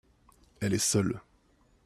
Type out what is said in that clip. elle est seule.